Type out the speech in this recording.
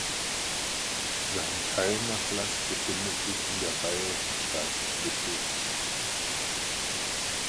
Sein Teilnachlass befindet sich in der Bayerischen Staatsbibliothek.